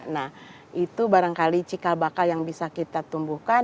nah itu barangkali cikal bakal yang bisa kita tumbuhkan